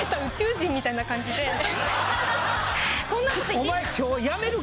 みたいな感じで。